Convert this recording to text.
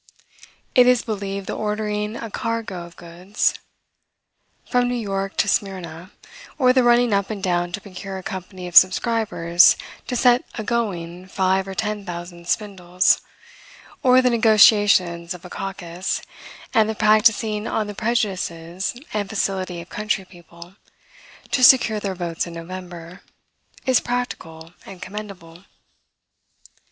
It is believed, the ordering a cargo of goods from New York to Smyrna; or, the running up and down to procure a company of subscribers to set a going five or ten thousand spindles; or, the negotiations of a caucus, and the practising on the prejudices and facility of country people, to secure their votes in November, is practical and commendable.